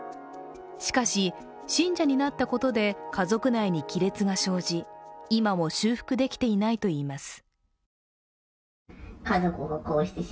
しかし信者になったことで家族内に亀裂が生じ今も修復できていないといいます。